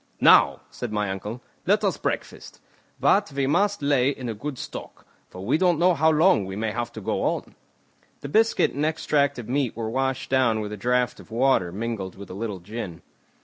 "Now," said my uncle, "let us breakfast; but we must lay in a good stock, for we don't know how long we may have to go on." The biscuit and extract of meat were washed down with a draught of water mingled with a little gin.